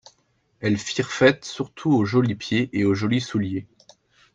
Elles firent fête surtout aux jolis pieds et aux jolis souliers.